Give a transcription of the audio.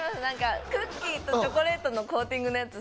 クッキーとチョコレートのコーティングのやつ